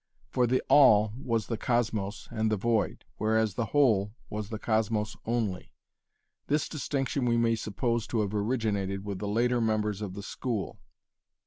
For the 'All' was the cosmos and the void, whereas the 'Whole' was the cosmos only. This distinction we may suppose to have originated with the later members of the school.